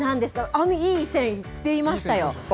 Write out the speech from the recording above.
網、いい線いってましたよ。